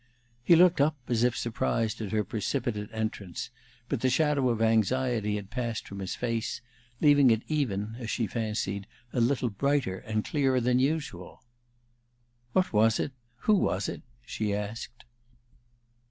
He looked up, as if surprised at her precipitate entrance, but the shadow of anxiety had passed from his face, leaving it even, as she fancied, a little brighter and clearer than usual. "What was it? Who was it?" she asked.